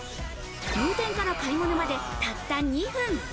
入店から買い物まで、たった２分。